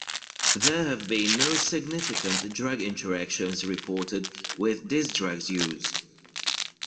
There have been no significant drug interactions reported with this drug's use.